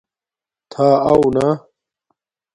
تھݳ اَݸ نݳ؟